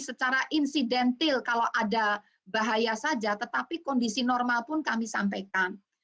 secara insidentil kalau ada bahaya saja tetapi kondisi normal pun kami sampaikan